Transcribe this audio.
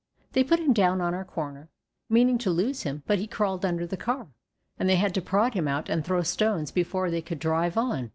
They put him down on our corner, meaning to lose him, but he crawled under the car, and they had to prod him out and throw stones before they could drive on.